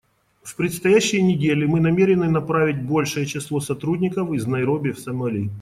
В предстоящие недели мы намерены направить большее число сотрудников из Найроби в Сомали.